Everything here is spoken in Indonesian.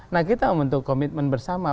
nah kita membentuk komitmen bersama